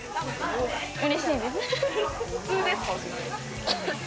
うれしいです。